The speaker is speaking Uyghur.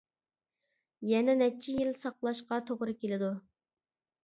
يەنە نەچچە يىل ساقلاشقا توغرا كېلىدۇ.